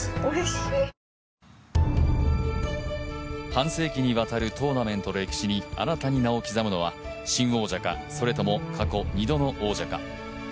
半世紀を迎える大会に新たに名を刻むのは新王者か、それとも過去２度の王者か。